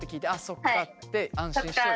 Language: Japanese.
そっかって安心して終わる？